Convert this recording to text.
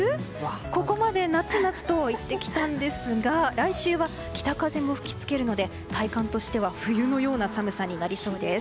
ここまで夏、夏と言ってきたんですが来週は北風も吹き付けるので体感としては冬のような寒さになりそうです。